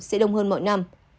sẽ đông hơn mọi năm